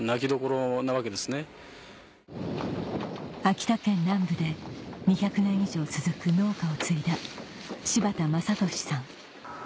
秋田県南部で２００年以上続く農家を継いだ柴田正敏さん